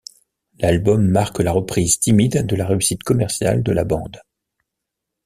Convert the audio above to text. L'album marque la reprise timide de la réussite commerciale de la bande.